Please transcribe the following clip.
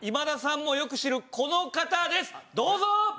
どうぞ！